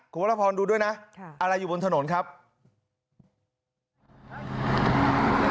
คุณวรพรดูด้วยนะอะไรอยู่บนถนนครับ